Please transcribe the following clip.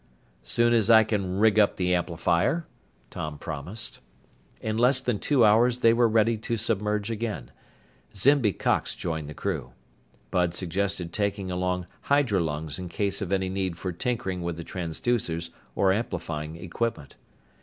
"Soon as I can rig up the amplifier," Tom promised. In less than two hours they were ready to submerge again. Zimby Cox joined the crew. Bud suggested taking along hydrolungs in case of any need for tinkering with the transducers or amplifying equipment.